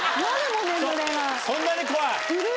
そんなに怖い？